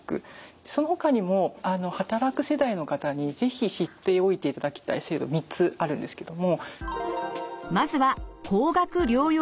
そのほかにも働く世代の方に是非知っておいていただきたい制度３つあるんですけども。